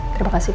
terima kasih pak